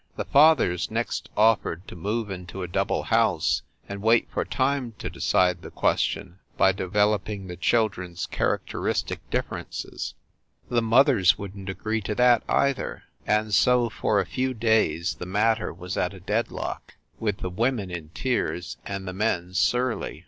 The fathers next offered to move into a double house and wait for time to decide the question by developing the chil dren s characteristic differences. The mothers 332 FIND THE WOMAN wouldn t agree to that, either. And so, for a few days, the matter was at a deadlock, with the women in tears and the men surly.